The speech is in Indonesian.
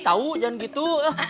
tahu jangan gitu